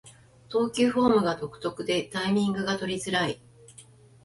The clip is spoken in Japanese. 投球フォームが独特でタイミングが取りづらい